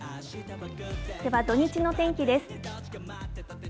では、土日の天気です。